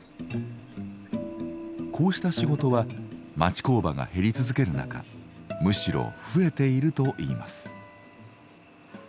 こうした仕事は町工場が減り続ける中むしろ増えているといいます。